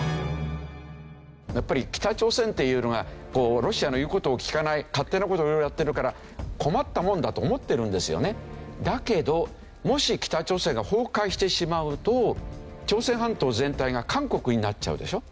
やっぱり北朝鮮っていうのがロシアの言う事を聞かない勝手な事を色々やってるからだけどもし北朝鮮が崩壊してしまうと朝鮮半島全体が韓国になっちゃうでしょ？